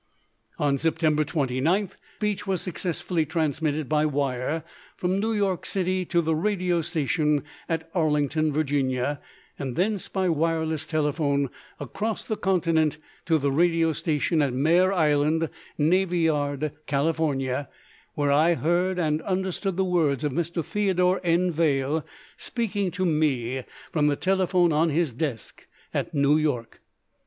On September 29th, speech was successfully transmitted by wire from New York City to the radio station at Arlington, Virginia, and thence by wireless telephone across the continent to the radio station at Mare Island Navy yard, California, where I heard and understood the words of Mr. Theodore N. Vail speaking to me from the telephone on his desk at New York.